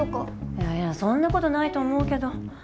いやいやそんなことないと思うけど。